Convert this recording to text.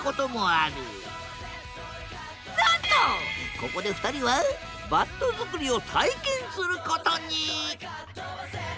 ここで２人はバット作りを体験することに！